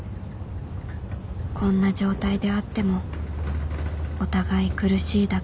こんな状態で会ってもお互い苦しいだけだ